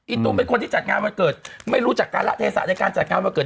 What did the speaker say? ตูมเป็นคนที่จัดงานวันเกิดไม่รู้จักการะเทศะในการจัดงานวันเกิด